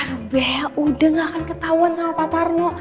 aduh bel udah gak akan ketahuan sama pak tarno